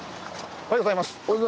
おはようございます。